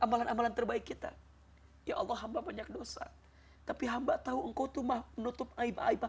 amalan amalan terbaik kita ya allah hamba banyak dosa tapi hamba tahu engkau tuh mah menutup aib aib